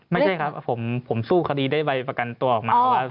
ไม่ใช่ครับผมสู้คดีได้ใบประกันตัวออกมาแล้ว